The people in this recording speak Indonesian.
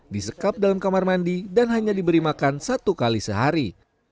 disekap dalam kamar mandi dan hanya diberi makan satu kali sehari